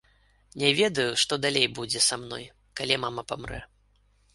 Не ведаю, што далей будзе са мной, калі мама памрэ.